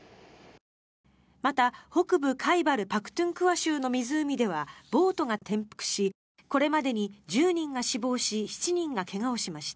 また、北部カイバル・パクトゥンクワ州の湖ではボートが転覆しこれまでに１０人が死亡し７人が怪我をしました。